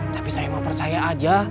tapi saya emang percaya aja